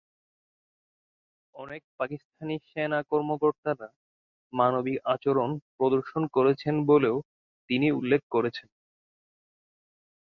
অনেক পাকিস্তানি সেনা কর্মকর্তারা মানবিক আচরণ প্রদর্শন করেছেন বলেও তিনি উল্লেখ করেছেন।